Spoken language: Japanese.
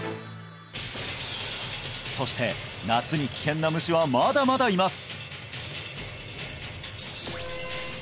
そして夏に危険な虫はまだまだいます